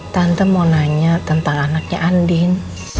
tante mau nanya tentang anaknya andin